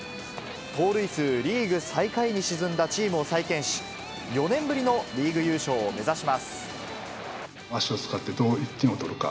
盗塁数リーグ最下位に沈んだチームを再建し、４年ぶりのリーグ優足を使って、どう１点を取るか。